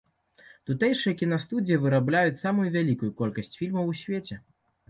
Тутэйшыя кінастудыі вырабляюць самую вялікую колькасць фільмаў у свеце.